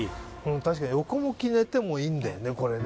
確かに横向き寝てもいいんだよねこれね。